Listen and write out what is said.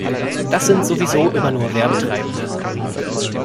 Das sind sowieso immer nur Werbetreibende.